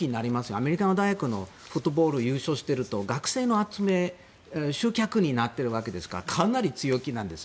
アメリカの大学のフットボール優勝していると学生の集客になっているわけですからかなり強気なんです。